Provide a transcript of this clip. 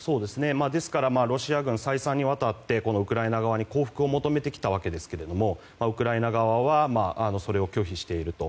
ですからロシア軍は再三にわたってウクライナ側に降伏を求めてきたわけですけどもウクライナ側はそれを拒否していると。